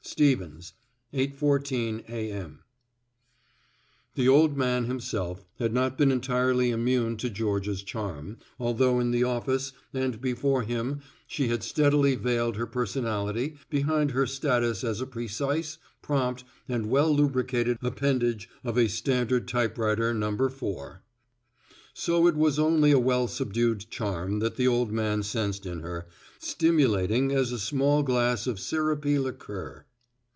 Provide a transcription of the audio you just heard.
Stevens 814 AM The old man himself had not been entirely immune to Georgia's charm, although in the office and before him she had steadily veiled her personality behind her status as a precise, prompt and well lubricated appanage of a Standard Typewriter No. 4. So it was only a well subdued charm that the old man sensed in her, stimulating as a small glass of syrupy liqueur.